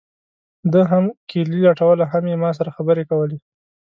ده هم کیلي لټوله هم یې ما سره خبرې کولې.